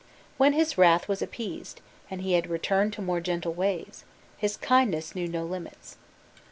When his wrath was appeased, and he had returned to more gentle ways, his kindness knew no limits.